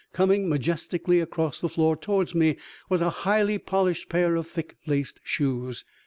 Coming majestically across the floor towards me was a highly polished pair of thick laced shoes.